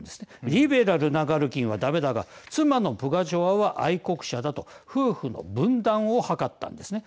リベラルなガルキンはだめだが妻のプガチョワは愛国者だと夫婦の分断を図ったんですね。